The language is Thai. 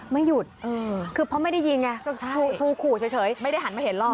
ไม่หยุดคือเพราะไม่ได้ยิงไงชูขู่เฉยไม่ได้หันมาเห็นหรอก